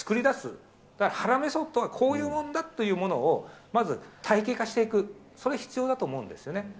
だから原メソッドはこういうものだというものを、まず体系化していく、それ必要だと思うんですよね。